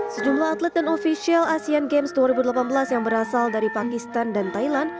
sejumlah atlet dan ofisial asean games dua ribu delapan belas yang berasal dari pakistan dan thailand